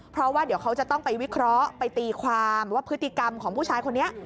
เพราะว่าเดี๋ยวเขาจะต้องไปวิเคราะห์ไปตีความว่าพฤติกรรมของผู้ชายคนนี้